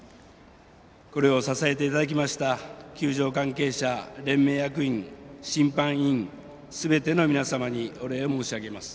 これを支えていただきました球場関係者連盟役員、審判員すべての皆様にお礼申し上げます。